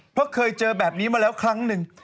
เพราะเคยเจอแบบนี้มาแล้วครั้งหนึ่ง